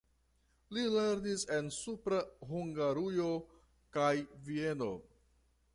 Li lernis en Supra Hungarujo kaj Vieno.